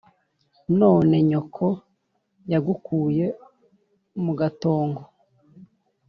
None nyoko yagukuye mu gatongo “.